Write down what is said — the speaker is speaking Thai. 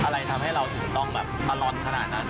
อะไรทำให้เราถึงต้องแบบอลอนขนาดนั้น